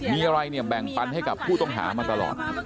มีอะไรเนี่ยแบ่งปันให้กับผู้ต้องหามาตลอด